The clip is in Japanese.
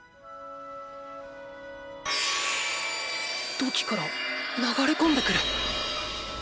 土器から流れ込んでくる⁉